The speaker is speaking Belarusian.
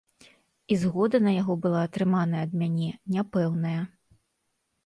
І згода на яго была атрыманая ад мяне не пэўная.